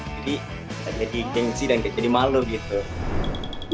jadi jadi gengsi dan jadi malu gitu